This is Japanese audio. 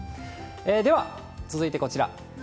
では、続いてこちら。